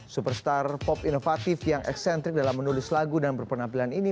superstar pop inovatif yang eksentrik dalam menulis lagu dan berpenampilan ini